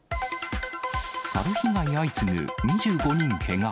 サル被害相次ぐ、２５人けが。